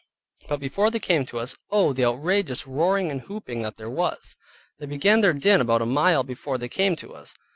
But before they came to us, Oh! the outrageous roaring and hooping that there was. They began their din about a mile before they came to us.